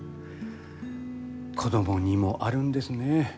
子供にもあるんですね。